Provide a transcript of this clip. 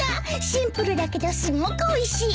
シンプルだけどすごくおいしい。